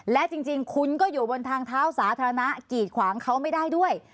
และจริงคุณก็อยู่บนทางเท้าสาธารณะกีดขวางเขาไม่ได้ด้วย